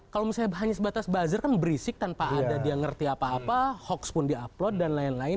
kalau misalnya hanya sebatas buzzer kan berisik tanpa ada dia ngerti apa apa hoax pun di upload dan lain lain